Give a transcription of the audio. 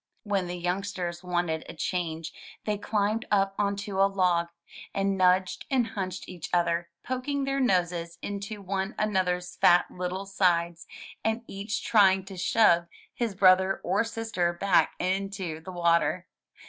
When the youngsters wanted a change they climbed up onto a log, and nudged and hunched each other, poking their noses into one another's fat little sides, and each trying to shove his brother or sister back into the water.